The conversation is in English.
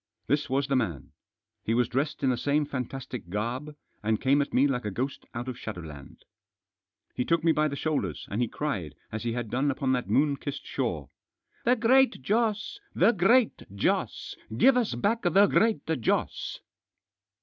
This was the man. He was dressed in the same fantastic garb, and came at me like a ghost out of shadowland. He took me by the shoulders, and he cried — as he had done upon that moon kissed shore :—" The Great Joss ! The Great Joss ! Give us back the Great Joss